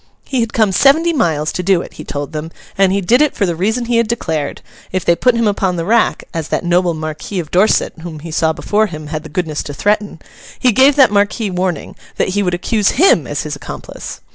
He had come seventy miles to do it, he told them, and he did it for the reason he had declared; if they put him upon the rack, as that noble Marquis of Dorset whom he saw before him, had the goodness to threaten, he gave that marquis warning, that he would accuse him as his accomplice!